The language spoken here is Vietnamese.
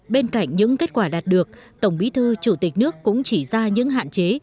bên cạnh những kết quả đạt được tổng bí thư chủ tịch nước cũng chỉ ra những hạn chế